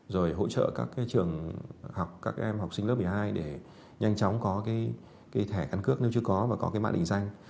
rồi hỗ trợ các trường học các em học sinh lớp một mươi hai để nhanh chóng có cái thẻ căn cước nếu chưa có và có cái mã định danh